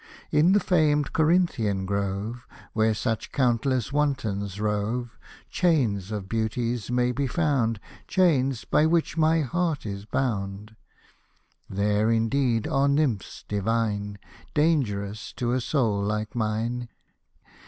In the famed Corinthian grove, Where such countless wantons rove. Chains of beauties may be found, Chains, by which my heart is bound ; There, indeed, are nymphs divine, Dangerous to a soul like mine.